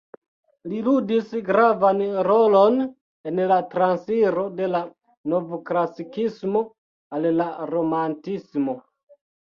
Li ludis gravan rolon en la transiro de la Novklasikismo al la Romantismo.